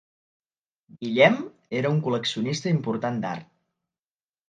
Guillem era un col·leccionista important d'art.